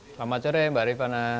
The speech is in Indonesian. selamat sore mbak rifana